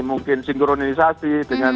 mungkin sinkronisasi dengan